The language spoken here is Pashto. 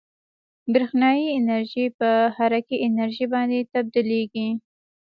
برېښنايي انرژي په حرکي انرژي باندې تبدیلیږي.